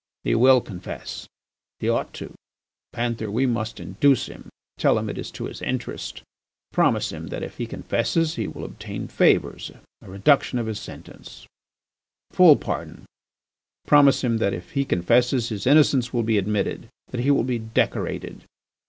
"He will confess, he ought to. Panther, we must induce him; tell him it is to his interest. Promise him that, if he confesses, he will obtain favours, a reduction of his sentence, full pardon; promise him that if he confesses his innocence will be admitted, that he will be decorated.